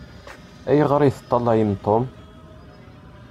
Ayɣeṛ i teṭṭalayem Tom?